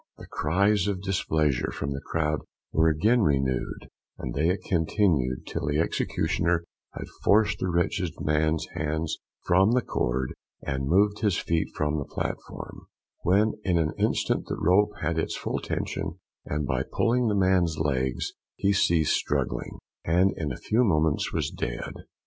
The cries of displeasure from the crowd were again renewed, and they continued till the executioner had forced the wretched man's hands from the cord, and moved his feet from the platform, when in an instant the rope had its full tension; and, by pulling the man's legs, he ceased struggling, and in a few minutes was dead.